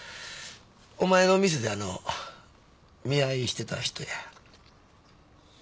お前の店で見合いしてた人や。